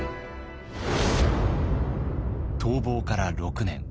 逃亡から６年。